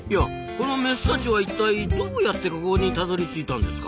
このメスたちはいったいどうやってここにたどりついたんですか？